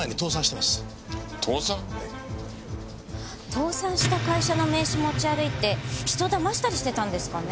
倒産した会社の名刺持ち歩いて人騙したりしてたんですかね？